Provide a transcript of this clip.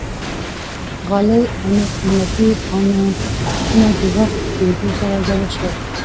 غالۍ او نور قیمتي فانوسونه د وخت په تېرېدو سره زاړه شول.